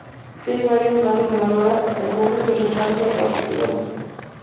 Si hay varias manos ganadoras, el bote se reparte a partes iguales.